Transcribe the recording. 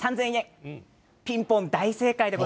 ピンポン、大正解です。